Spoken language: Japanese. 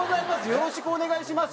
よろしくお願いします？